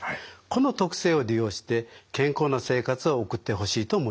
この特性を利用して健康な生活を送ってほしいと思います。